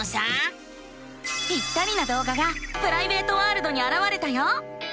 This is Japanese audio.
ぴったりなどうががプライベートワールドにあらわれたよ。